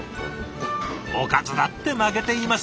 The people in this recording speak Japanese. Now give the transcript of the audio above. おかずだって負けていません。